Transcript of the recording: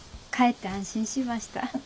かえって安心しました。